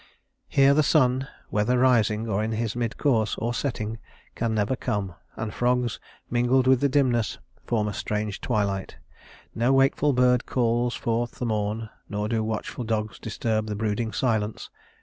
"Here the sun, whether rising or in his mid course, or setting, can never come; and fogs, mingled with the dimness, form a strange twilight. No wakeful bird calls forth the morn, nor do watchful dogs disturb the brooding silence.